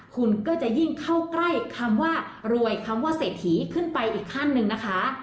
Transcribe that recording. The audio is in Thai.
คุณก็จะยิ่งเข้าใกล้คำว่ารวยคำว่าเศรษฐีขึ้นไปอีกขั้นหนึ่งนะคะ